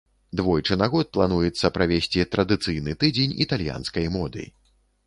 Двойчы на год плануецца правесці традыцыйны тыдзень італьянскай моды.